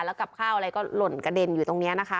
แล้วกับข้าวอะไรก็หล่นกระเด็นอยู่ตรงนี้นะคะ